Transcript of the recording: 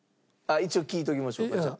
一応聞いておきましょうかじゃあ。